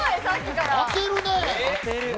あてるね。